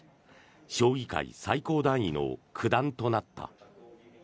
将棋界最高段位の九段となった。